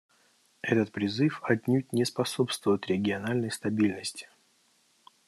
Этот призыв отнюдь не способствует региональной стабильности.